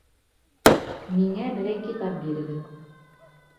Миңә берәй китап бирегеҙ.